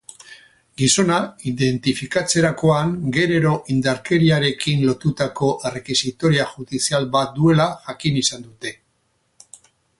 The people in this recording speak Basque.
Gizona identifikatzerakoan, genero-indarkeriarekin lotutako errekisitoria judizial bat duela jakin izan dute.